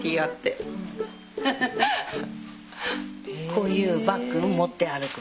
こういうバッグも持って歩く